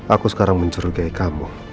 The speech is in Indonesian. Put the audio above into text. aku sekarang mencurigai kamu